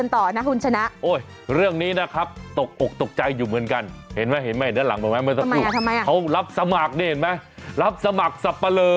ตกออกตกใจอยู่เหมือนกันเห็นไหมด้านหลังทำไมเขารับสมัครนี่เห็นไหมรับสมัครสับปะเลอ